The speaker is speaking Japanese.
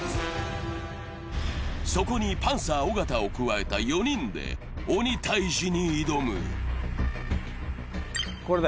そこにパンサー尾形を加えた４人が鬼タイジに挑む。